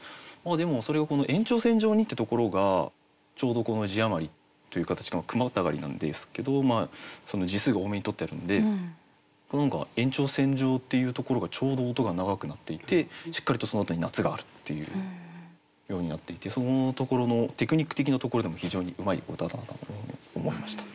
でもそれが「延長線上に」ってところがちょうど字余りという形の句またがりなんですけど字数が多めにとってあるので何か「延長線上」っていうところがちょうど音が長くなっていてしっかりとそのあとに「夏がある」っていうようになっていてそのところのテクニック的なところでも非常にうまい歌だなと思いました。